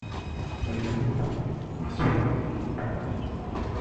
Waliamua maswali muhimu pamoja.